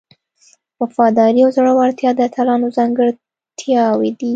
وفاداري او زړورتیا د اتلانو ځانګړتیاوې دي.